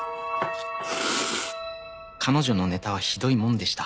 彼女のネタはひどいもんでした。